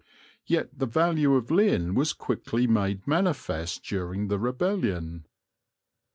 Yet the value of Lynn was quickly made manifest during the Rebellion.